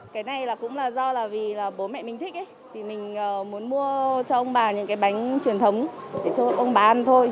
cái này cũng là do vì bố mẹ mình thích mình muốn mua cho ông bà những cái bánh truyền thống để cho ông bà ăn thôi